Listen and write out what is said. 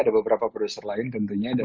ada beberapa produser lain tentunya ada